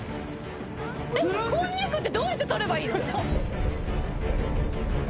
えっこんにゃくってどうやって取ればいいの？